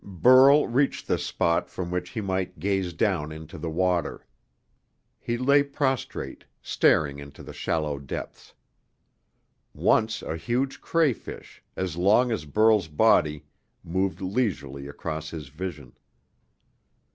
Burl reached the spot from which he might gaze down into the water. He lay prostrate, staring into the shallow depths. Once a huge crayfish, as long as Burl's body, moved leisurely across his vision.